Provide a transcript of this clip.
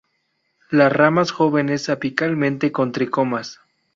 Las ramas jóvenes apicalmente con tricomas.